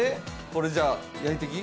これじゃあ焼いていき・